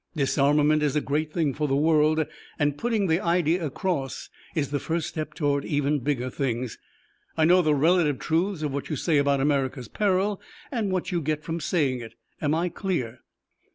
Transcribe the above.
Disarmament is a great thing for the world, and putting the idea across is the first step toward even bigger things. I know the relative truths of what you say about America's peril and what you get from saying it. Am I clear?"